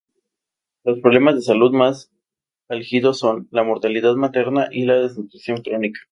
Los problemas de salud mas álgidos son: la mortalidad materna y desnutrición crónica.